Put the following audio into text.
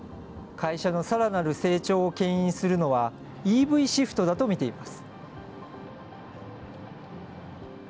会社のさらなる成長をけん引するのはＥＶシフトだと見ています。